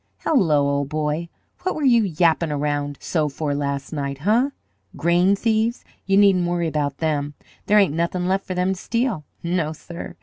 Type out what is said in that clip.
"Hello, old boy! What were you yappin' around so for last night, huh? Grain thieves? You needn't worry about them. There ain't nothin' left for them to steal. No, sir!